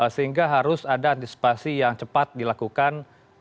sehingga harus ada antisipasi yang cepat dilakukan